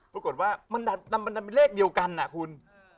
ปรากฏว่ามันเป็นเลขเดียวกันนะคุณ